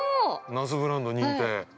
◆那須ブランド認定。